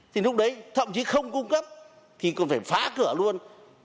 thì lúc đấy thậm chí không cung cấp thì còn phải phá cửa luôn